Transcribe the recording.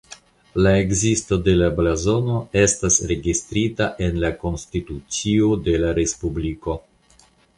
La ekzisto de la blazono estas registrita en la konstitucio de la respubliko.